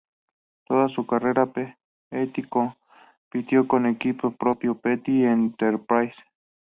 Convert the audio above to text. Toda su carrera, Petty compitió con equipo propio, Petty Enterprises.